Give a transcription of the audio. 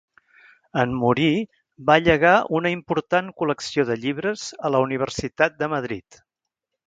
En morir va llegar una important col·lecció de llibres a la Universitat de Madrid.